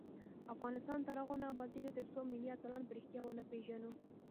افغانستان تر هغو نه ابادیږي، ترڅو ملي اتلان په ریښتیا ونه پیژنو.